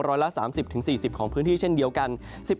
ร้อยละ๓๐๔๐ของพื้นที่เช่นเดียวกัน